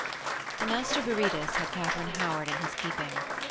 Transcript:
The Master Viridus had Katharine Howard in his keeping.